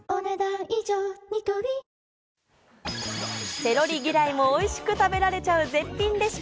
セロリ嫌いもおいしく食べられちゃう絶品レシピ。